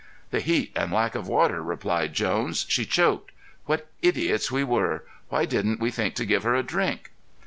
"The heat and lack of water," replied Jones. "She choked. What idiots we were! Why didn't we think to give her a drink."